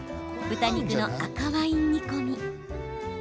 豚肉の赤ワイン煮込み。